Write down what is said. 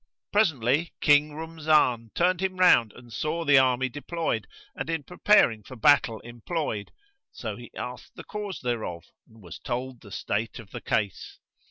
Presently, King Rumzan turned him round and saw the army deployed and in preparing for battle employed, so he asked the cause thereof and was told the state of the case.